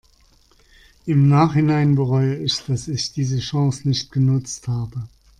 Im Nachhinein bereue ich, dass ich diese Chance nicht genutzt habe.